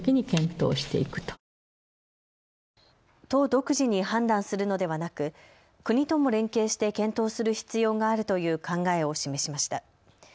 都独自に判断するのではなく国とも連携して検討する必要があるという考えを示しました。